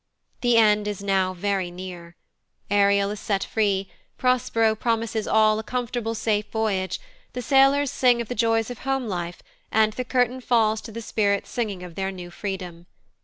The end is now very near. Ariel is set free; Prospero promises all a comfortable, safe voyage; the sailors sing of the joys of home life; and the curtain falls to the Spirits singing of their new freedom.